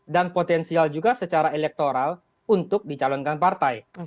dan potensial juga secara elektoral untuk dicalonkan partai